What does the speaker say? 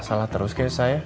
salah terus kayaknya saya